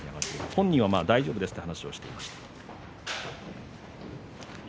本人は大丈夫ですという話をしています。